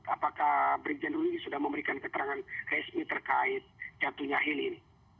apakah brigjen ruli sudah memberikan keterangan resmi terkait jatuhnya heli ini